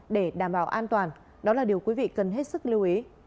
để đảm bảo an toàn đó là điều quý vị cần hết sức lưu ý